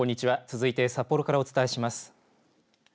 続いて札幌からお伝えします。